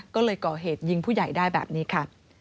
ก็เลยก่อเหตุยิงผู้ใหญ่ได้แบบนี้ค่ะ